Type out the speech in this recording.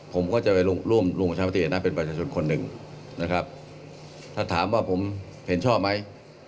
ผมก็จะไปร่วมลงประชามตินะเป็นประชาชนคนหนึ่งนะครับถ้าถามว่าผมเห็นชอบไหม